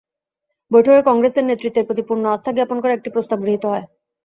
বৈঠকে কংগ্রেসের নেতৃত্বের প্রতি পূর্ণ আস্থা জ্ঞাপন করে একটি প্রস্তাব গৃহীত হয়।